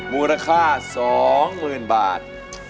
มูลค่า๒๐๐๐๐บาท